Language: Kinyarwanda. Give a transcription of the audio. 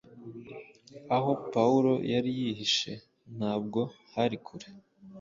Aho Pawulo yari yihishe ntabwo hari kure